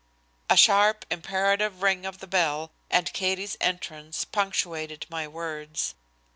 A sharp, imperative ring of the bell and Katie's entrance punctuated my words.